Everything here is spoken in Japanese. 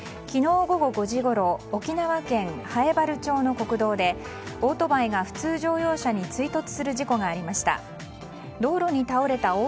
昨日午後５時ごろ沖縄県南風原町の国道でオートバイが普通乗用車に追突する事故がありました。